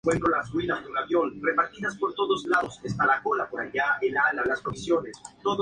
Chengdu fue la última ciudad de China continental que estuvo ocupada por el Kuomintang.